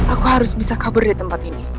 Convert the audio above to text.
aku harus bisa kabur di tempat ini